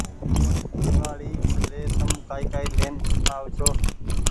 ۮيوآڙي ري تم ڪآئي ڪآئي لين آئو ڇو